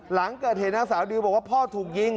หลังเกิดเหตุนางสาวดิวบอกว่าพ่อถูกยิง